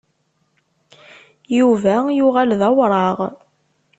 Yuba yuɣal d awraɣ.